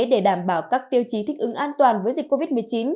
để đảm bảo các tiêu chí thích ứng an toàn với dịch covid một mươi chín